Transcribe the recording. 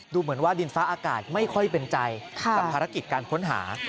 ดูเหมือนว่าดินฟ้าอากาศไม่ค่อยเป็นใจกับภารกิจการค้นหา